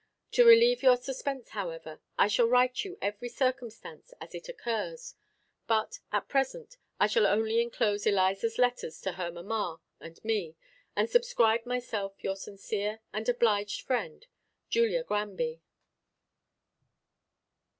To relieve your suspense, however, I shall write you every circumstance as It occurs; but at present, I shall only enclose Eliza's letters to her mamma and me, and subscribe myself your sincere and obliged friend, JULIA GRANBY.